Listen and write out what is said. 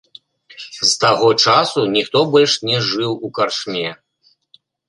З таго часу ніхто больш не жыў у карчме.